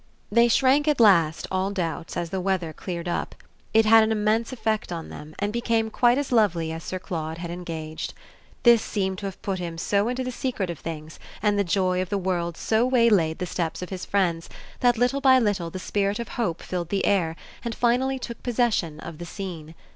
They shrank at last, all doubts, as the weather cleared up: it had an immense effect on them and became quite as lovely as Sir Claude had engaged. This seemed to have put him so into the secret of things, and the joy of the world so waylaid the steps of his friends, that little by little the spirit of hope filled the air and finally took possession of the scene.